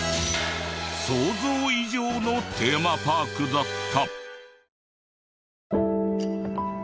想像以上のテーマパークだった。